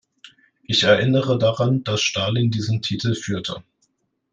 Ich erinnere daran, dass Stalin diesen Titel führte.